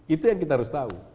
itu yang kita harus tahu